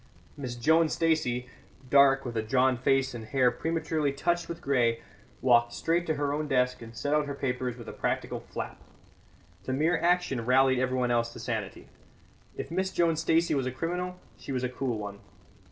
Miss Joan Stacey, dark, with a drawn face and hair prematurely touched with grey, walked straight to her own desk and set out her papers with a practical flap. The mere action rallied everyone else to sanity. If Miss Joan Stacey was a criminal, she was a cool one.